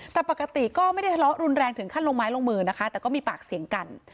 แต่ปกติก็ไม่ได้ทะเลาะรุนแรงถึงขั้นลงไม้ลงมือนะคะแต่ก็มีปากเสียงกัน